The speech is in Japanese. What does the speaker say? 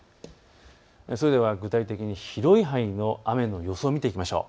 それでは具体的に広い範囲の雨の予想を見ていきましょう。